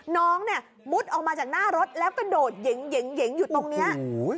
น้องเนี้ยมุดออกมาจากหน้ารถแล้วก็โดดเหย่งเหย่งเหย่งอยู่ตรงเนี้ย